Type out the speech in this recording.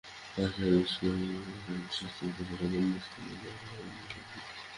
Fire সার্ভিসের কর্মীরা ঘটনাস্থলে পৌঁছার আগেই স্থানীয় লোকজন আগুন নিভিয়ে ফেলে।